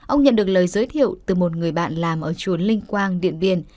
ông nhận được lời giới thiệu từ một người bạn làm ở chùa linh quang điện biên